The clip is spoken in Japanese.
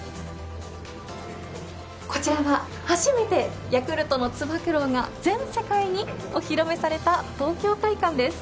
こちらが初めてヤクルトのつば九郎が全世界にお披露目された東京會館です。